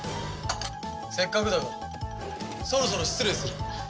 せっかくだがそろそろ失礼する。